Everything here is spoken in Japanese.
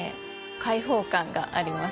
解放感があります